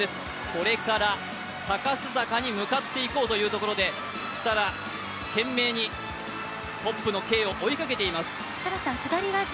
これからサカス坂に向かっていこうというところで設楽、懸命にトップのＫを追いかけています。